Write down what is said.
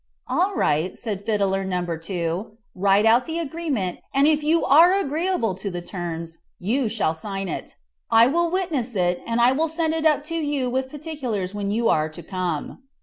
"All right," said Fiddler No. 2. "write out the agreement, and if you are agreeable to the terms you shall sign it. I will witness it, and I will send it up to you with particulars when you are to come."